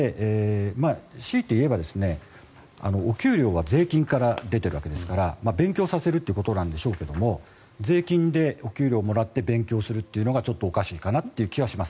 しいて言えば、お給料は税金から出ているわけですから勉強させるということなんでしょうけど税金でお給料もらって勉強するっていうのがちょっとおかしいかなという気はします。